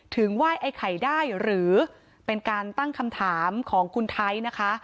ไหว้ไอ้ไข่ได้หรือเป็นการตั้งคำถามของคุณไทยนะคะ